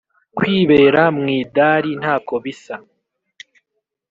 kwibera mwidari ntako bisa